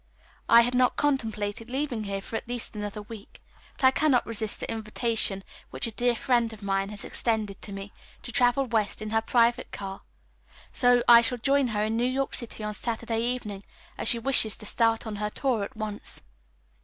I had not contemplated leaving here for at least another week, but I cannot resist the invitation which a dear friend of mine has extended to me, to travel west in her private car, so I shall join her in New York City on Saturday evening, as she wishes to start on her tour at once.